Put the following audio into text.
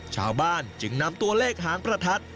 ชาวบ้านจึงนำตัวเลขหางประทัด